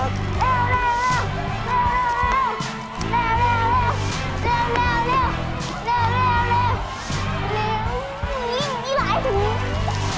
เร็ว